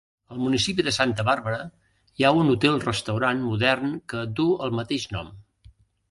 Al municipi de Santa Bàrbara hi ha un hotel-restaurant modern que duu el mateix nom.